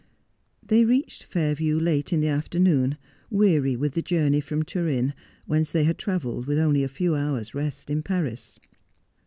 They reached Fairview late in the afternoon, weary with the journey from Turin, whence they had travelled with only a few hours' rest in Paris.